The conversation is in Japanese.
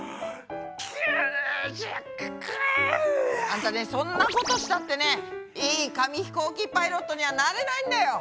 あんたねそんなことしたってねいい紙ひこうきパイロットにはなれないんだよ！